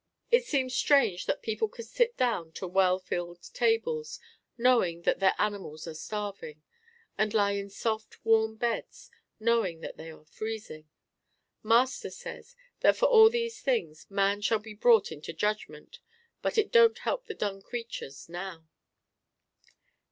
It seems strange that people can sit down to well filled tables, knowing that their animals are starving; and lie in soft, warm beds, knowing that they are freezing. Master says that for all these things man shall be brought into judgment, but it don't help the dumb creatures now.